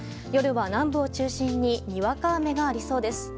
夜は南部を中心ににわか雨がありそうです。